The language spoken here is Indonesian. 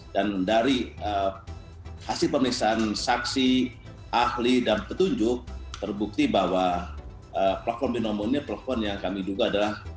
dan dari hasil pemeriksaan saksi ahli dan petunjuk terbukti bahwa platform binomo ini platform yang kami duga adalah